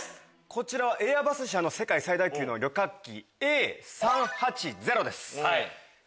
こちらはエアバス社の世界最大級の旅客機。